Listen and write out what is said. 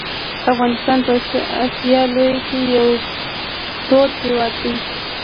افغانستان په اسیا لویه کې یو پروت هیواد دی .